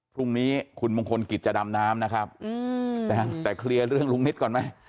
พรุ่งนี้คุณมงคลกิจจะดำน้ำนะครับแต่เคลียร์เรื่องลุงนิดก่อนไหม